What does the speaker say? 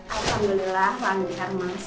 alhamdulillah lahir di karun malas